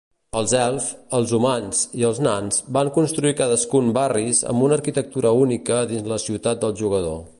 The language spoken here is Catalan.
Els elfs, els humans i els nans van construir cadascun barris amb una arquitectura única dins la ciutat del jugador.